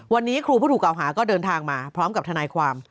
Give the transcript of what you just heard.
วันนี้ครูผู้ถูกเก่าหาก็เดินทางมาพร้อมกับทนายความ